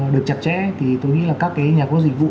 được chặt chẽ thì tôi nghĩ là các cái nhà cung cấp dịch vụ